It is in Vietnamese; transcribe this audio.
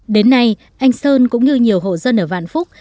đến nay anh sơn cũng như nhiều hộ dân ở vạn phúc